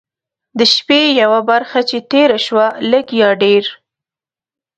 د شپې یوه برخه چې تېره شوه لږ یا ډېر.